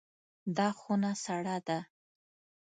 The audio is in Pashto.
دا خونه سړه ده.